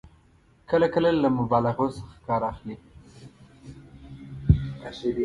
کله کله له مبالغو څخه کار اخلي.